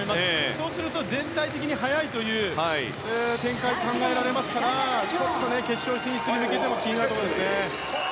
そうすると全体的に速いという展開が考えられますからちょっと決勝進出気になるところですね。